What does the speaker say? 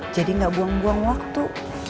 jadi gak buang buang waktu